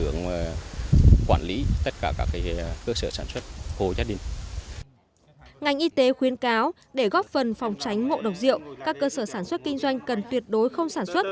ngành y tế khuyên cáo để góp phần phòng tránh ngộ độc rượu các cơ sở sản xuất kinh doanh cần tuyệt đối không sản xuất